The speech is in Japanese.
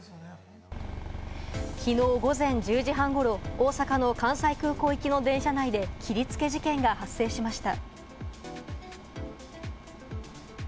きのう午前１０時半ごろ、大阪の関西空港行きの電車内で、切りつけ事件が発生しました。